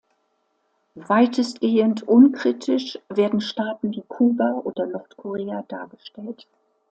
Weitestgehend unkritisch werden Staaten wie Kuba oder Nordkorea dargestellt.